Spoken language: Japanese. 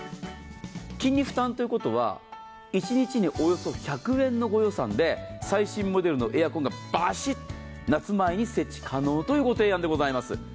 金利負担ということは一日におよそ１００円のご予算で最新モデルのエアコンがバシッ、夏前に設置可能ということでございます。